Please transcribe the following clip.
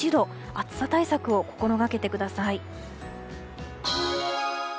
暑さ対策を心掛けてください。